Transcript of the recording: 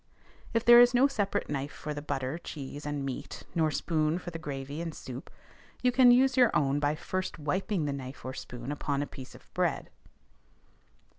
If there is no separate knife for the butter, cheese, and meat, nor spoon for the gravy and soup, you can use your own by first wiping the knife or spoon upon a piece of bread.